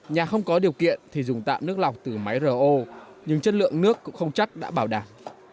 nhà không có điều kiện thì dùng tạm nước lọc từ máy ro nhưng chất lượng nước cũng không chắc đã bảo đảm